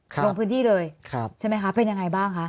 ลงพื้นที่เลยใช่ไหมคะเป็นยังไงบ้างคะ